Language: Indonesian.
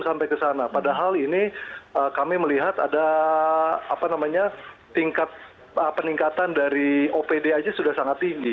sampai ke sana padahal ini kami melihat ada tingkat peningkatan dari opd aja sudah sangat tinggi